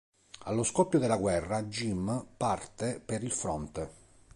Allo scoppio della guerra, Jim parte per il fronte.